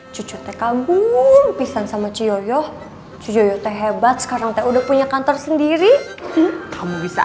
cucu teh kamu pisang sama ciyoyo cuyote hebat sekarang teh udah punya kantor sendiri kamu bisa